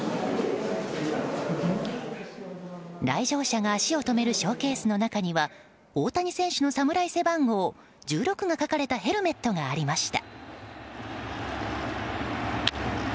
来場者が足を止めるショーケースの中には大谷選手の侍背番号１６が書かれたヘルメットがありました。